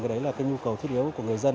cái đấy là cái nhu cầu thiết yếu của người dân